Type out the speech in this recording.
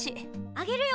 あげるよ！